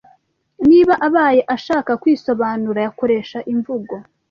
niba, abaye ashaka kwisobanura, yakoresha imvugo